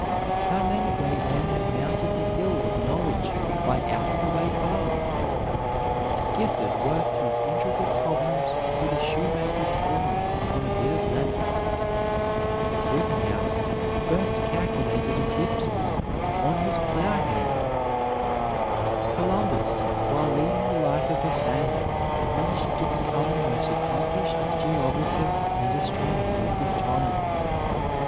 How many great men have mounted the hill of knowledge by out of the way paths! Gifford worked his intricate problems with a shoemaker's awl on a bit of leather. Rittenhouse first calculated eclipses on his plow handle. Columbus, while leading the life of a sailor, managed to become the most accomplished geographer and astronomer of his time.